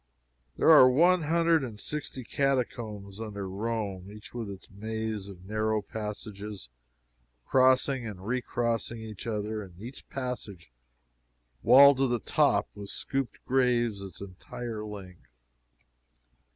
There are one hundred and sixty catacombs under Rome, each with its maze of narrow passages crossing and recrossing each other and each passage walled to the top with scooped graves its entire length.